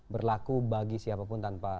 berlaku bagi siapapun tanpa